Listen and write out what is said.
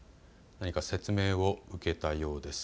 説明を受けたようです。